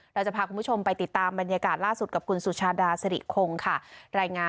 เราจะพาคุณผู้ชมไปติดตามบรรยากาศล่าสุดกับคุณสุชาดาศรีโครงค่ะรายงานมาจากโรงพยาบาลมหาราชนครราชศรีมาค่ะ